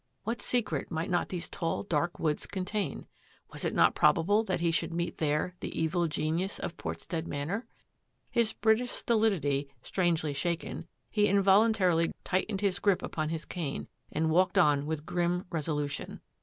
What secret might not these tall, dark woods contain? Was it not probable that he would meet there the evil genius of Portstead Manor? His British stolidity strangely shaken, he involuntarily tightened his grip upon his cane and walked on with grim resolution.